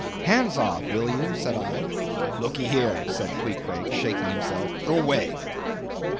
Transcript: "Hands off, will you," said I. "Lookee here," said Queequeg, shaking himself, "go 'way!"